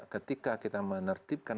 ketika kita menertibkan